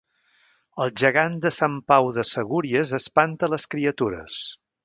El gegant de Sant Pau de Segúries espanta les criatures